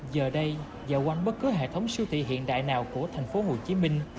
giờ đây dạo quanh bất cứ hệ thống siêu thị hiện đại nào của thành phố hồ chí minh